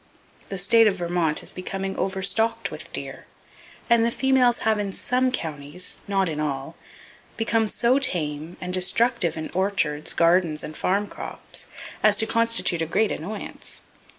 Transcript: The state of Vermont is becoming overstocked with deer, and the females have in some counties (not in all), become so tame and destructive in orchards, gardens and farm crops as to constitute a great annoyance.